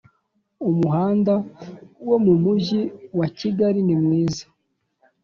umuhanda wo mumujyi wa kigali ni mwiza